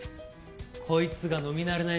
こいつが飲み慣れない